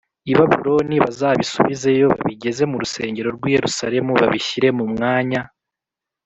i Babuloni bazabisubizeyo babigeze mu rusengero rw i Yerusalemu babishyire mu mwanya